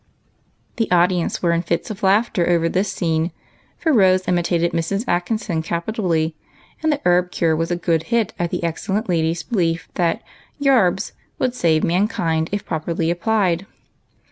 The audience were in fits of laughter over this scene, for Rose imitated Mrs. Atkinson capitally, and the herb cure was a good hit at the excellent lady's belief that " yarbs " would save mankind if properly applied.